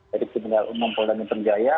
dari pesimilal umum poldang internjaya